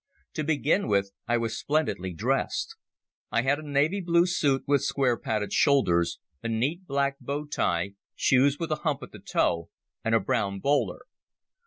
To begin with, I was splendidly dressed. I had a navy blue suit with square padded shoulders, a neat black bow tie, shoes with a hump at the toe, and a brown bowler.